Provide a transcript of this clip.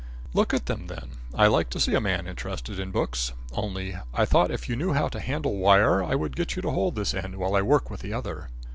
"Look at them, then. I like to see a man interested in books. Only, I thought if you knew how to handle wire, I would get you to hold this end while I work with the other."